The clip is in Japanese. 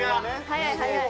早い早い。